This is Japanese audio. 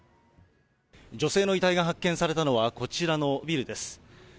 女性の遺体が発見されたのは、こちらのビルです。